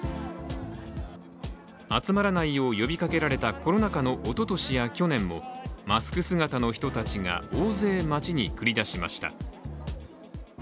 集まらないよう呼びかけられたコロナ禍のおととしや去年もマスク姿の人たちが、大勢街に繰り出しました。